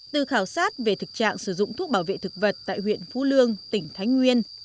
từ khảo sát về thực trạng sử dụng thuốc bảo vệ thực vật tại huyện phú lương tỉnh thái nguyên